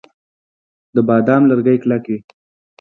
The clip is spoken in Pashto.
د بادام لرګي کلک وي.